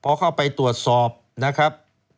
พอเข้าไปตรวจสอบนะครับ